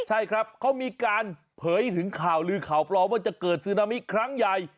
ใช่ครับเขามีการเผยถึงข่าวลือข่าวปลอมว่าจะเกิดซึนามิครั้งใหญ่